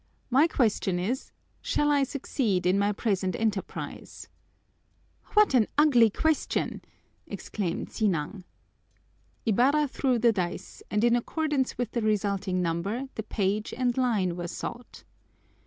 "My question is, 'Shall I succeed in my present enterprise?'" "What an ugly question!" exclaimed Sinang. Ibarra threw the dice and in accordance with the resulting number the page and line were sought.